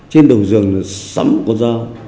trên đầu giường sắm một con dao